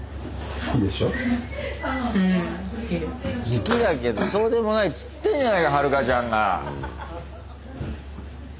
好きだけどそうでもないっつってんじゃないかはるかちゃんが！